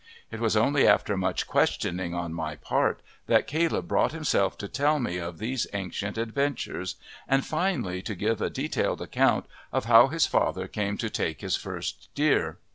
It was only after much questioning on my part that Caleb brought himself to tell me of these ancient adventures, and finally to give a detailed account of how his father came to take his first deer.